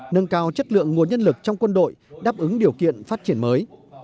nâng cao chất lượng nguồn nhân lực trong quân đội đáp ứng điều kiện phát triển mới